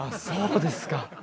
そうですか！